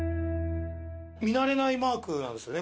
見慣れないマークなんですよね。